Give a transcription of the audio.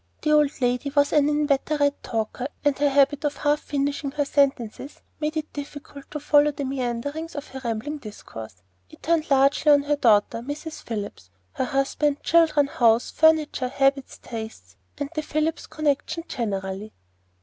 The old lady was an inveterate talker, and her habit of only half finishing her sentences made it difficult to follow the meanderings of her rambling discourse. It turned largely on her daughter, Mrs. Phillips, her husband, children, house, furniture, habits, tastes, and the Phillips connection generally.